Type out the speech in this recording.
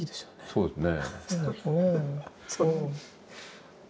そうですね。